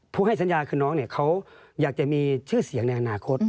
ให้สัญญาคือน้องเขาอยากจะมีชื่อเสียงในอนาคต